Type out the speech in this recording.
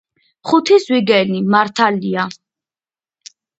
ხუთი ზვიგენი. მართალია.